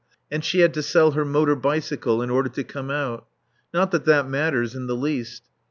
And she had to sell her motor bicycle in order to come out. Not that that matters in the least.